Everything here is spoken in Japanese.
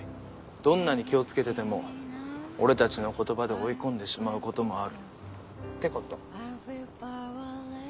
どんなに気を付けてても俺たちの言葉で追い込んでしまうこともあるってこと。